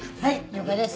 了解です。